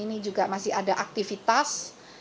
ini juga masih ada aktivitas